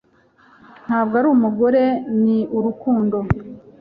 Ntabwo ari umugore ni urukundo